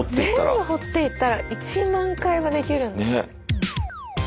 全部掘っていったら１万回はできる。